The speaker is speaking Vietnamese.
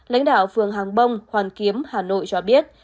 lãnh đạo phường hàng bông hoàn kiếm hà nội cho biết